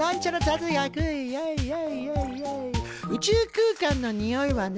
宇宙空間のにおいはね